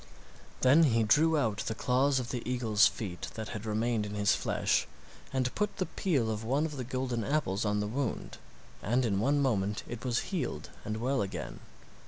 Then he drew out the claws of the eagle's feet that had remained in his flesh and put the peel of one of the golden apples on the wound, and in one moment it was healed and well again.